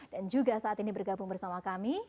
dan juga saat ini bergabung bersama kami